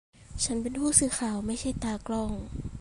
ฉันเป็นผู้สื่อข่าว ไม่ใช่ตากล้อง